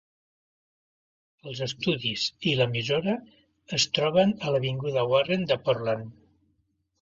Els estudis i l'emissora es troben a l'avinguda Warren de Portland.